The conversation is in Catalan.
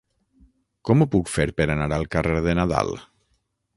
Com ho puc fer per anar al carrer de Nadal?